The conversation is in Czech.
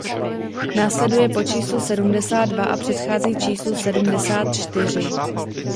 Následuje po číslu sedmdesát dva a předchází číslu sedmdesát čtyři.